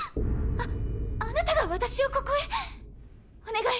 ああなたが私をここへ⁉お願い！